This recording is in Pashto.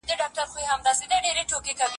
د ختن د مشکو بوی ده په حوضوکې